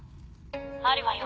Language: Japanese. あるわよ